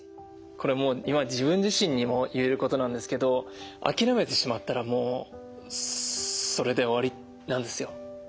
これもう今自分自身にも言えることなんですけど諦めてしまったらもうそれで終わりなんですよ。